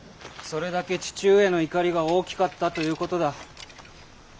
それだけ父上の怒りが大きかったということだ。